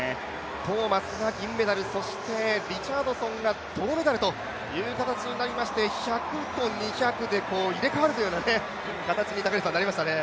トーマスが銀メダル、リチャードソンが銅メダルという形になりまして１００と２００で入れ代わるというような形になりましたね。